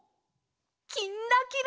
「きんらきら」。